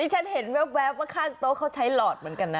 ฉันเห็นแว๊บว่าข้างโต๊ะเขาใช้หลอดเหมือนกันนะ